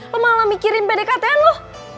lo malah mikirin pdktn loh